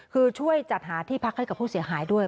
คือช่วยจัดหาที่พักให้กับผู้เสียหายด้วย